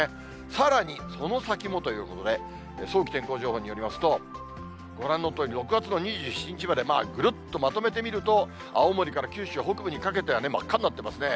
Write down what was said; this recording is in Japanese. さらに、その先もということで、早期天候情報によりますと、ご覧のとおり、６月の２７日まで、ぐるっとまとめて見ると、青森から九州北部にかけてはね、真っ赤になってますね。